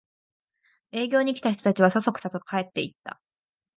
営業に来た人たちはそそくさと帰っていった